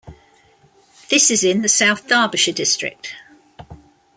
This is in the South Derbyshire district.